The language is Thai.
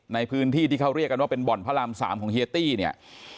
ในพื้นที่ที่เขาเรียกกันว่าเป็นบ่อนพระราม๓ของเฮียตี้เนี่ย